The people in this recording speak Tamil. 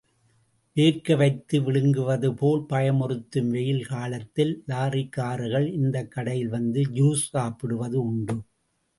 வேர்க்க வைத்து விழுங்குவதுபோல் பயமுறுத்தும் வெயில் காலத்தில், லாரிக்காரர்கள், இந்த கடையில் வந்து ஜூஸ் சாப்பிடுவது உண்டு.